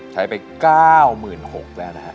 ใช้ไป๙๖๐๐แล้วนะฮะ